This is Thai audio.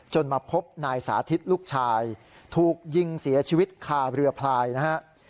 มาพบนายสาธิตลูกชายถูกยิงเสียชีวิตคาเรือพลายนะฮะ